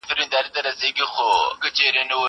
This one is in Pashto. زه کولای سم تمرين وکړم!